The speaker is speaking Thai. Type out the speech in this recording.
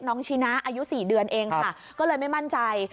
ชีนะอายุ๔เดือนเองค่ะก็เลยไม่มั่นใจ